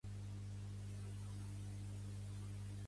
Kamandi descobreix un grup de simis que venen el vestit de Superman